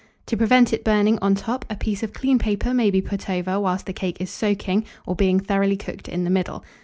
To prevent its burning at the top, a piece of clean paper may be put over whilst the cake is soaking, or being thoroughly cooked in the middle.